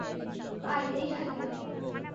আয়, এইখানে আয়।